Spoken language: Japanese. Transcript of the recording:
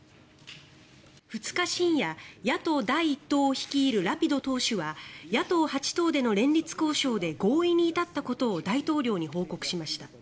２日深夜、野党第１党を率いるラピド党首は野党８党での連立交渉で合意に至ったことを大統領に報告しました。